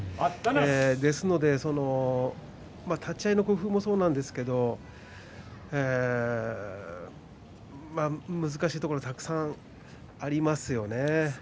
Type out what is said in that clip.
ですので立ち合いの工夫もそうなんですけど難しいところたくさんありますよね。